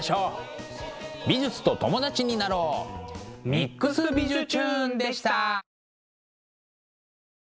「ＭＩＸびじゅチューン！」でした。